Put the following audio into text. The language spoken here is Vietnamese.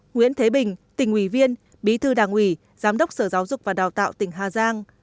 nguyễn thế bình tỉnh ủy viên bí thư đảng ủy giám đốc sở giáo dục và đào tạo tỉnh hà giang